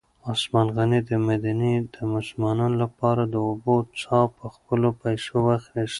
عثمان غني د مدینې د مسلمانانو لپاره د اوبو څاه په خپلو پیسو واخیسته.